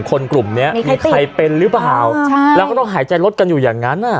คนกลุ่มเนี้ยมีใครเป็นหรือเปล่าใช่แล้วก็ต้องหายใจรถกันอยู่อย่างนั้นอ่ะ